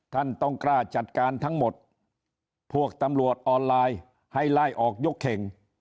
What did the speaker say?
ท่านต้องกล้าจัดการทั้งหมดพวกตำรวจออนไลน์ให้ไล่ออกยกเข่ง